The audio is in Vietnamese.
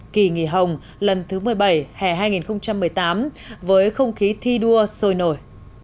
kỳ nghỉ hồng lần thứ một mươi bảy hẻ hai nghìn một mươi tám với không khí thi đua sôi nổi